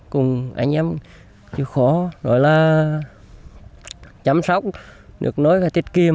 cùng anh em chịu khó rồi là chăm sóc được nối và tiết kiệm